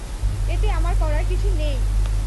এতে আমার করার কিছুই নেই!